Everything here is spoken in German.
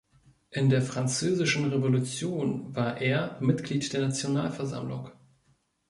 In der französischen Revolution war er Mitglied der Nationalversammlung.